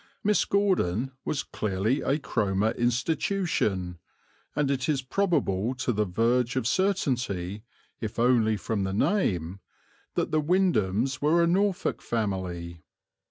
Miss Gordon was clearly a Cromer institution, and it is probable to the verge of certainty, if only from the name, that the Windhams were a Norfolk family.